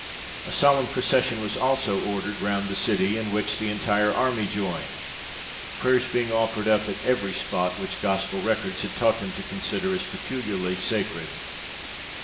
A solemn procession was also ordered round the city, in which the entire army joined, prayers being offered up at every spot which gospel records had taught them to consider as peculiarly sacred.